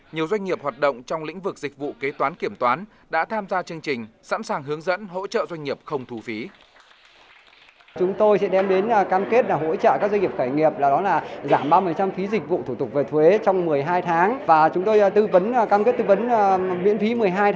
nhiều doanh nghiệp hoạt động trong lĩnh vực dịch vụ kế toán kiểm toán đã tham gia chương trình sẵn sàng hướng dẫn hỗ trợ doanh nghiệp không thu phí